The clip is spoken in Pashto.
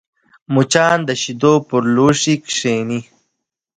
مچان د شیدو پر لوښي کښېني